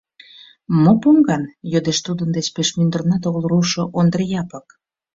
— Мо поҥган? — йодеш тудын деч пеш мӱндырнат огыл руышо Ондри Япык.